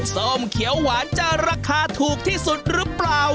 ส้มเขียวหวานจะราคาถูกที่สุดหรือเปล่า